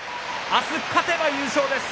あす勝てば優勝です。